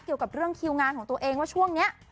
เกี่ยวกับเรื่องคิวงานของตัวเองว่าช่วงนี้